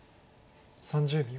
３０秒。